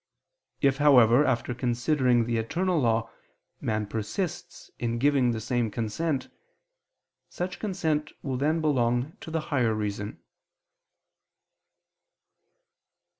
If, however, after considering the eternal law, man persists in giving the same consent, such consent will then belong to the higher reason.